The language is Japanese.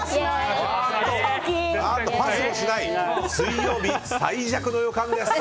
水曜日、最弱の予感です！